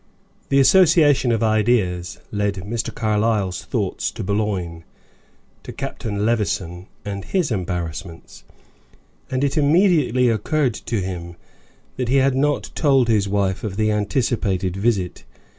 The association of ideas led Mr. Carlyle's thoughts to Boulogne, to Captain Levison and his embarrassments, and it immediately occurred to him that he had not told his wife of the anticipated visit.